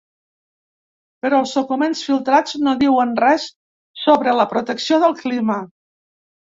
Però els documents filtrats no diuen res sobre la protecció del clima.